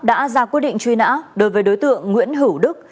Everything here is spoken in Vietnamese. đã ra quyết định truy nã đối với đối tượng nguyễn hữu đức